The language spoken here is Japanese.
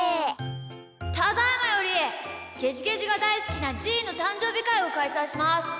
ただいまよりゲジゲジがだいすきなじーのたんじょうびかいをかいさいします。